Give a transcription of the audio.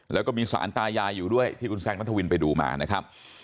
แล้วก็มีสารตายายอยู่ด้วยที่คุณแซคนัทวินไปดูมานะครับ